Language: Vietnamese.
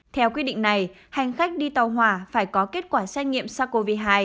theo quyết định này hành khách đi tàu hỏa phải có kết quả xét nghiệm sars cov hai